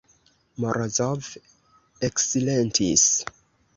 Morozov eksilentis.